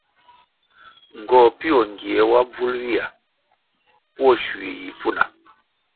Ngohpio ngie wa bvul ywia pwo shui yi pfuna.